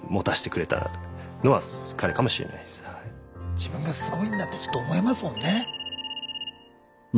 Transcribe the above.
自分がすごいんだってちょっと思えますもんね。